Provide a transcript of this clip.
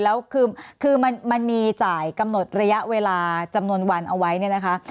แล้วคือมันมีจ่ายกำหนดระยะเวลาจำนวนวันเอาไว้เนี่ยนะคะ